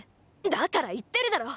だから言ってるだろ